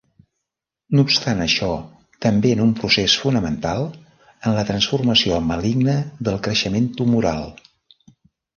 No obstant això també en un procés fonamental en la transformació maligna del creixement tumoral.